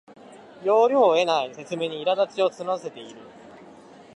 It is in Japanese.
要領を得ない説明にいらだちを募らせている